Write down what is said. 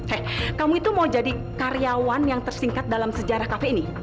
eh kamu itu mau jadi karyawan yang tersingkat dalam sejarah kafe ini